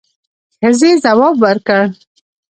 ښځې ځواب ورکړ.